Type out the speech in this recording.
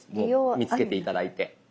見つけて頂いて。